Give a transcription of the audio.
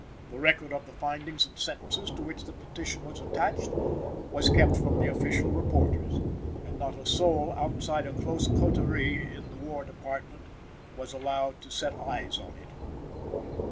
The record of the findings and sentences, to which the petition was attached, was kept from the official reporters, and not a soul outside a close coterie in the War Department was allowed to set eyes on it.